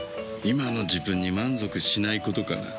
今の自分に満足しないことかな。